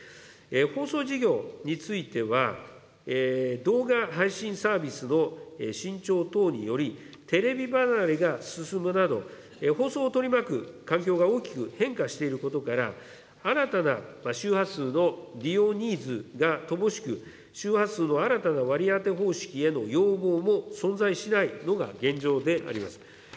放送事業については、動画配信サービスの伸張等により、テレビ離れが進むなど、放送を取り巻く環境が大きく変化していることから、新たな周波数の利用ニーズが乏しく、周波数の新たな割り当て方式への要望も存在しないのが現状であります。